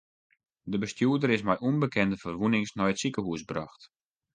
De bestjoerder is mei ûnbekende ferwûnings nei it sikehûs brocht.